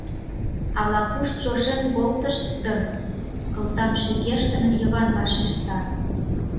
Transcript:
Ала-куш чошен колтышт дыр, — кылтам шӱкештын, Йыван вашешта.